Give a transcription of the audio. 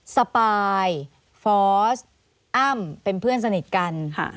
สปายฟอสอ้ำเป็นเพื่อนสนิทกัน